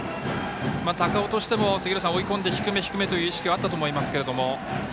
高尾としても、追い込んで低め、低めという意識はあったかと思いますけど。